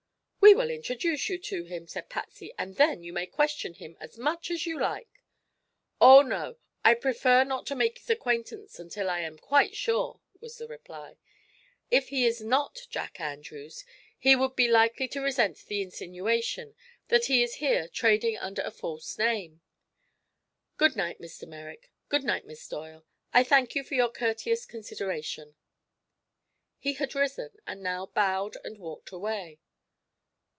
"We will introduce you to him," said Patsy. "and then you may question him as much as you like." "Oh, no; I prefer not to make his acquaintance until I am quite sure," was the reply. "If he is not Jack Andrews he would be likely to resent the insinuation that he is here trading under a false name. Good night, Mr. Merrick. Good night, Miss Doyle. I thank you for your courteous consideration." He had risen, and now bowed and walked away.